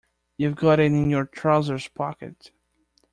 You've got it in your trousers pocket.